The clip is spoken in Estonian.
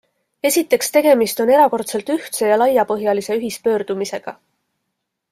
Esiteks tegemist on erakordselt ühtse ja laiapõhjalise ühispöördumisega.